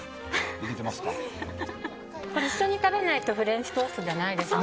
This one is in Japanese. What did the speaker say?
一緒に食べないとフレンチトーストじゃないですね。